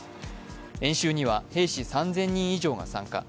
演習には兵士３０００人以上が参加。